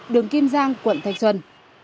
đường kim giang quận thanh xuân